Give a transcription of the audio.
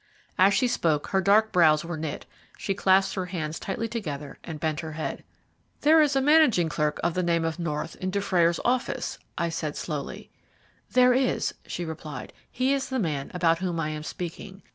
As she spoke her dark brows were knit, she clasped her hands tightly together, and bent her head. "There is a managing clerk of the name of North in Dufrayer's office," I said slowly. "There is," she replied; "he is the man about whom I am speaking.